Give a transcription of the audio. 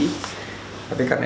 hal diperbaiki dengan